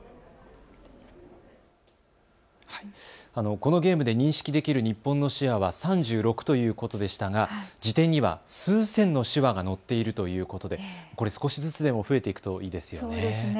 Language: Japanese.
このゲームで認識できる日本の手話は３６ということでしたが辞典には数千の手話が載っているということでこれ、少しずつでも増えていくといいですね。